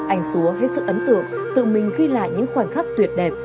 anh xúa hết sức ấn tượng tự mình ghi lại những khoảnh khắc tuyệt đẹp